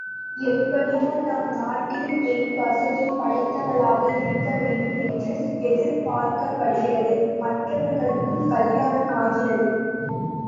எப்படியோ நம் நாட்டில் பெண் வசதி படைத்தவளாக இருக்கவேண்டும் என்று எதிர்பார்க்கப்படுகிறது, மற்றவர்களுக்கும் கலியாணம் ஆகிறது.